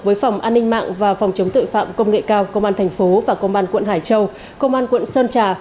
với phòng an ninh mạng và phòng chống tội phạm công nghệ cao công an thành phố và công an quận hải châu công an quận sơn trà